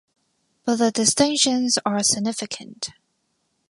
But the distinctions are significant.